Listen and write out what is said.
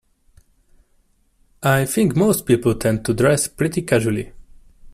I think most people tend to dress pretty casually.